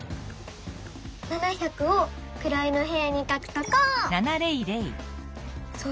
「７００」をくらいのへやにかくとこう！